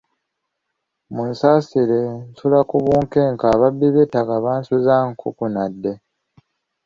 Munsasire nsula ku bunkenke ababbi b'ettaka bansuza nkukunadde.